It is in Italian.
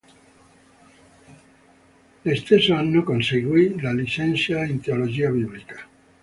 Lo stesso anno conseguì la licenza in teologia biblica.